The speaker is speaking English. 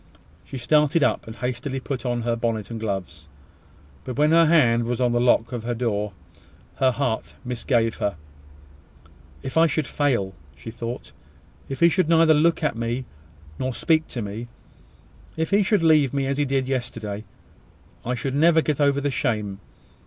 She started up, and hastily put on her bonnet and gloves: but when her hand was on the lock of her door, her heart misgave her. "If it should fail!" she thought. "If he should neither look at me nor speak to me if he should leave me as he did yesterday! I should never get over the shame.